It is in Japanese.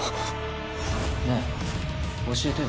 ねえ教えてよ。